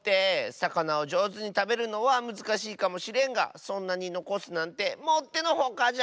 さかなをじょうずにたべるのはむずかしいかもしれんがそんなにのこすなんてもってのほかじゃ！